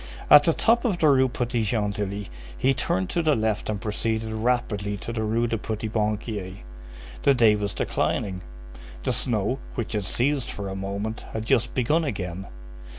At the top of the Rue Petit Gentilly he turned to the left and proceeded rapidly to the Rue du Petit Banquier. The day was declining; the snow, which had ceased for a moment, had just begun again.